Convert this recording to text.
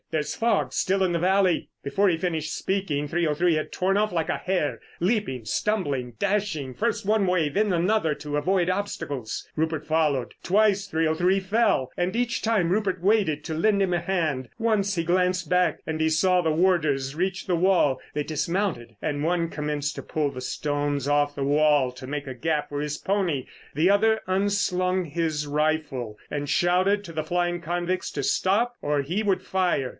"There's fog still in the valley." Before he finished speaking, 303 had torn off like a hare, leaping, stumbling, dashing first one way, then another to avoid obstacles. Rupert followed. Twice 303 fell, and each time Rupert waited to lend him a hand. Once he glanced back and he saw the warders reach the wall; they dismounted, and one commenced to pull the stones off the wall to make a gap for his pony; the other unslung his rifle and shouted to the flying convicts to stop—or he would fire.